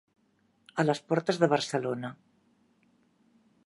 A les portes de Barcelona.